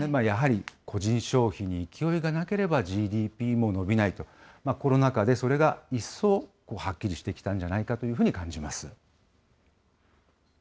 やはり、個人消費に勢いがなければ、ＧＤＰも伸びないと、コロナ禍でそれが一層、はっきりしてきたんじゃないかというふうに感じます。